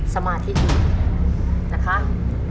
สมาธิทีนะครับ